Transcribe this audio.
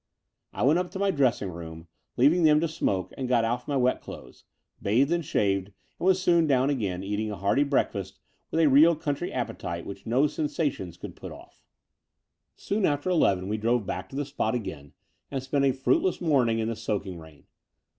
I went up to my dressing room, leaving them to smoke, and got off my wet clothes, bathed and shaved, and was soon down again, eating a hearty breakfast with a real country appetite which no sensations could put off. The Brighton Road 53 Soon after eleven we drove back to the spot again and spent a fruitless morning in the soaking rain.